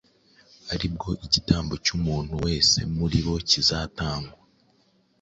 ari bwo igitambo cy’umuntu wese muri bo kizatangwa.